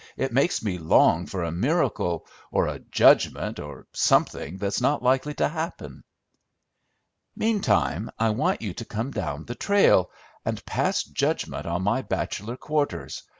It makes me long for a miracle, or a judgment, or something that's not likely to happen." "Meantime, I want you to come down the trail, and pass judgment on my bachelor quarters.